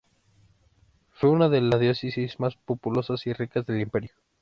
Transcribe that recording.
Fue una de las diócesis más populosas y ricas del Imperio.